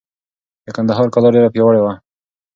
د کندهار کلا ډېره پیاوړې وه.